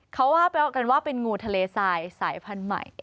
เขาว่ากันว่าเป็นงูทะเลทรายสายพันธุ์ใหม่